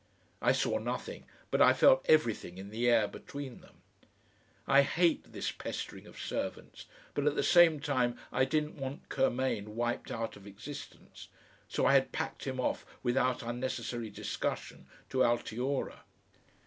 I saw nothing, but I felt everything in the air between them. I hate this pestering of servants, but at the same time I didn't want Curmain wiped out of existence, so I had packed him off without unnecessary discussion to Altiora.